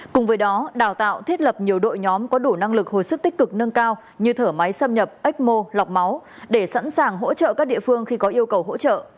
cùng với đó đào tạo thiết lập nhiều đội nhóm có đủ năng lực hồi sức tích cực nâng cao như thở máy xâm nhập ếch mô lọc máu để sẵn sàng hỗ trợ các địa phương khi có yêu cầu hỗ trợ